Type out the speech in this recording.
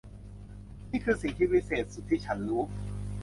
นี่คือสิ่งที่วิเศษสุดที่ฉันรู้